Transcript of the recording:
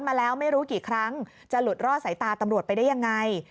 มาแล้วไม่รู้กี่ครั้งจะหลุดรอดสายตาตำรวจไปได้ยังไง